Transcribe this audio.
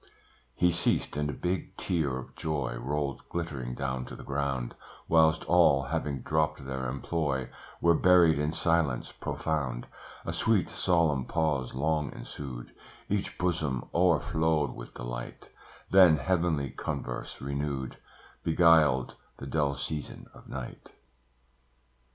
He ceased: and a big tear of joy Rolled glittering down to the ground; Whilst all, having dropped their employ, Were buried in silence profound; A sweet, solemn pause long ensued Each bosom o'erflowed with delight; Then heavenly converse renewed, Beguiled the dull season of night.